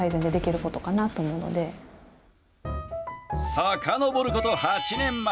さかのぼること８年前。